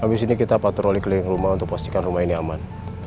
habis ini kita patroli keliling rumah untuk pastikan rumah ini aman